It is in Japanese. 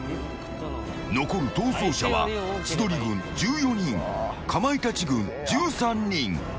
残る逃走者は千鳥軍１４人かまいたち軍１３人。